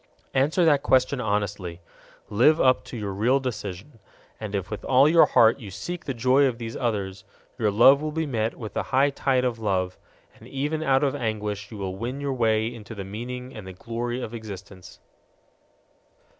Answer that question honestly. Live up to your real decision. And if with all your heart you seek the joy of these others, your love will be met with the high tide of love, and even out of anguish you will win your way into the meaning and the glory of existence.